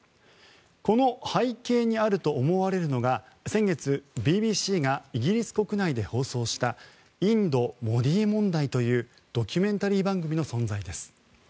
この背景にあると思われるのが先月、ＢＢＣがイギリス国内で放送した「インド：モディ問題」というドキュメンタリー番組の存在です。